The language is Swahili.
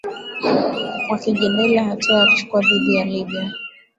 wakijadili hatua ya kuchukua dhidi ya libya